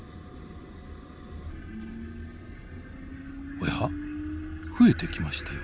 おや？増えてきましたよ。